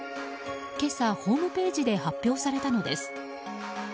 今朝、ホームページで発表されたのです。